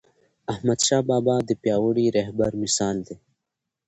احمدشاه بابا د پیاوړي رهبر مثال دی..